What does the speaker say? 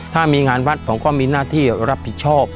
ถ้ามีงานวัดผมก็มีหน้าที่รับผิดชอบ